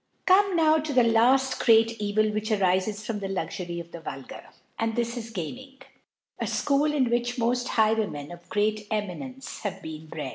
ICp(n^ ,naw to the laft great Evil wh arifcs from the Luxury of the Vulgi and this is Gaming : A School in wh moit Highwaymen of great Eminence h^ been twr^.